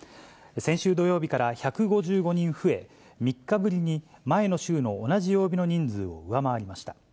先週土曜日から１５５人増え、３日ぶりに前の週の同じ曜日の人数を上回りました。